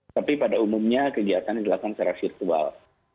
tapi pada umumnya kegiatan dilakukan secara virtual